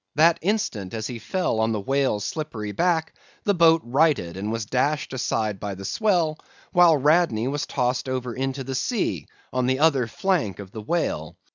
That instant, as he fell on the whale's slippery back, the boat righted, and was dashed aside by the swell, while Radney was tossed over into the sea, on the other flank of the whale.